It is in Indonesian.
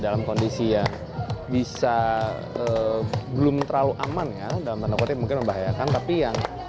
dalam kondisi yang bisa belum terlalu aman ya dalam tanda kutip mungkin membahayakan tapi yang